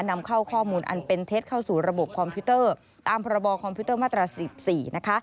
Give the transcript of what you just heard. นำเข้าข้อมูลอันเป็นเท็จเข้าสู่ระบบคอมพิวเตอร์ตามพรบคอมพิวเตอร์มาตรา๑๔นะคะ